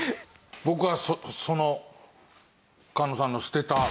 僕はその菅野さんの捨てたサル。